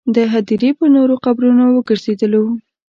د هدیرې پر نورو قبرونو وګرځېدلو.